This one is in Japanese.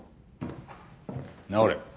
直れ。